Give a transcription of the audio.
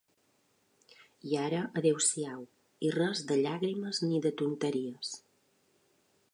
I ara, adéu-siau, i res de llàgrimes ni de tonteries